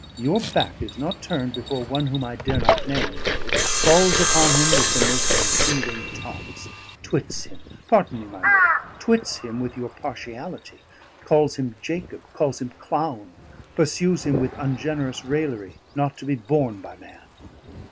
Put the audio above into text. Your back is not turned before one whom I dare not name to you falls upon him with the most unfeeling taunts; twits him pardon me, my lord twits him with your partiality, calls him Jacob, calls him clown, pursues him with ungenerous raillery, not to be borne by man.